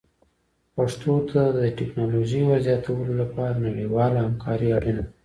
پښتو ته د ټکنالوژۍ ور زیاتولو لپاره نړیواله همکاري اړینه ده.